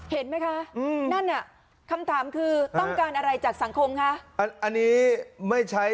เห็นไหมคะนั่นน่ะคำถามคือต้องการอะไรจากสังคมคะอันนี้ไม่ใช้